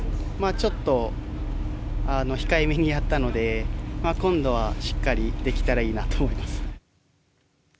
ちょっと控えめにやったので今度はしっかりできたらいいなと思います。